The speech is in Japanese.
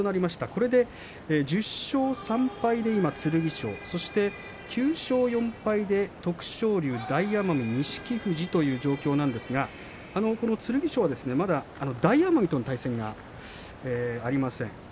これで１０勝３敗で今、剣翔そして９勝４敗で徳勝龍、大奄美、錦富士という状況なんですが剣翔は大奄美と対戦がありません。